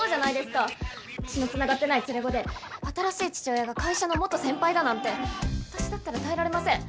血の繋がってない連れ子で新しい父親が会社の元先輩だなんて私だったら耐えられません。